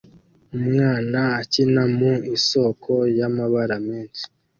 Umwana akina mu isoko y'amabara menshi